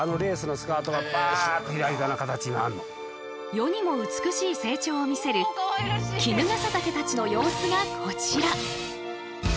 世にも美しい成長を見せるキヌガサタケたちの様子がこちら。